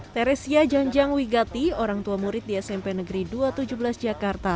teresia janjang wigati orang tua murid di smp negeri dua ratus tujuh belas jakarta